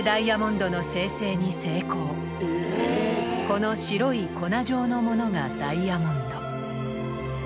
この白い粉状のものがダイヤモンド。